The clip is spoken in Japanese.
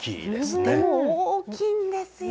とても大きいんですよ。